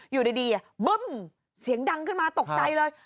อยู่ดีบึ้มเสียงดังขึ้นมาตกใจเลย